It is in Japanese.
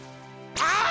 あっ！